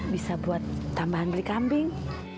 bisa buat tambahan beli kambing